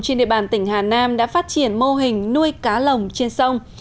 hà nam đã phát triển mô hình nuôi cá lồng trên sông